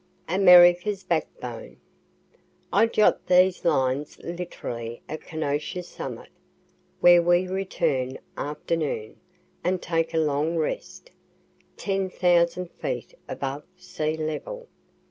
AMERICA'S BACK BONE I jot these lines literally at Kenosha summit, where we return, afternoon, and take a long rest, 10,000 feet above sea level.